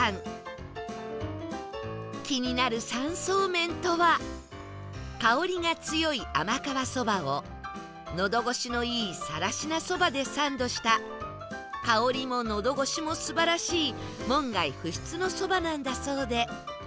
気になる三層麺とは香りが強い甘皮そばをのど越しのいい更科そばでサンドした香りものど越しも素晴らしい門外不出のそばなんだそうで